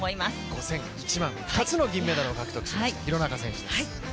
５０００ｍ、１００００ｍ２つの銀メダルを獲得した廣中選手です。